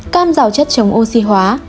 hai cam giàu chất chống oxy hóa